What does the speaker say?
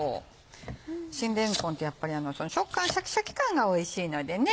新れんこんってやっぱり食感シャキシャキ感がおいしいのでね。